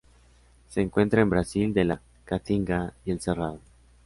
Se encuentra en Brasil de la Caatinga y el Cerrado.